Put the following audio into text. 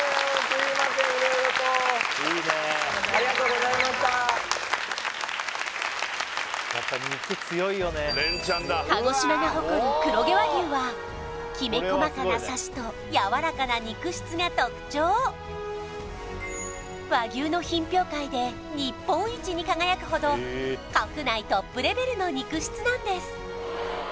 すいません色々と鹿児島が誇る黒毛和牛はきめ細かなサシとやわらかな肉質が特徴和牛の品評会で日本一に輝くほど国内トップレベルの肉質なんです